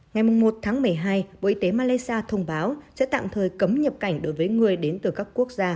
ngày một tháng một mươi hai bộ y tế malaysia thông báo sẽ tạm thời cấm nhập cảnh đối với người đến từ các quốc gia